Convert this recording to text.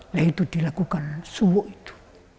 nah itu dilakukan subuh itu